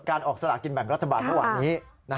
ออกสลากินแบ่งรัฐบาลเมื่อวานนี้